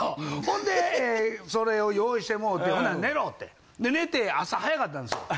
ほんでそれを用意してもうてほんなら寝ろってで寝て朝早かったんですよ。